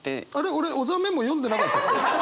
俺小沢メモ読んでなかったっけ？